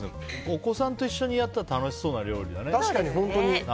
お子さんと一緒にやったら楽しそうな料理だね。